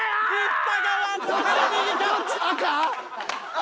赤？